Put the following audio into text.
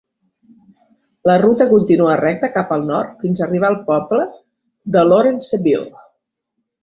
La ruta continua recte cap al nord fins arribar al poble de Lawrenceville.